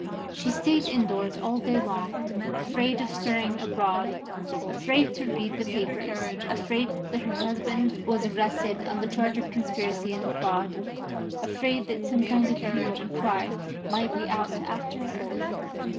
She stayed indoors all day long, afraid of stirring abroad; afraid to read the papers; afraid that her husband was arrested on the charge of conspiracy and fraud; afraid that some kind of hue and cry might be out after her.